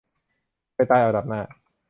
ไปตายเอาดาบหน้า